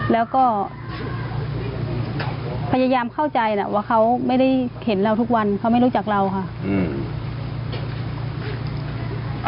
แล้วก็พยายามเข้าใจแหละว่าเขาไม่ได้เห็นเราทุกวันเขาไม่รู้จักเราค่ะอืม